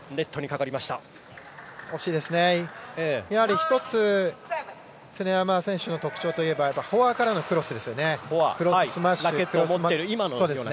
１つ常山選手の特徴といえばフォアからのクロスですよね。